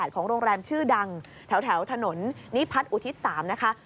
ของโรงแรมชื่อดังแถวถนนนิพัฒน์อุทิศ๓นะคะ